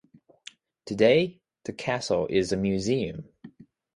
Today, the castle is a museum.